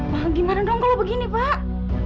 wah gimana dong kalau begini pak